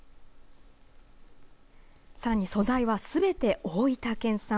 さらに素材はすべて大分県産。